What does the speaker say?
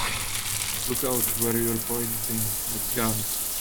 Look out where you're pointing that gun!